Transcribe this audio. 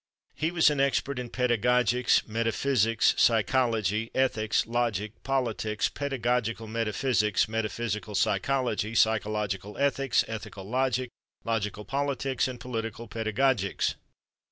He was an expert in pedagogics, metaphysics, psychology, ethics, logic, politics, pedagogical metaphysics, metaphysical psychology, psychological ethics, ethical logic, logical politics and political pedagogics.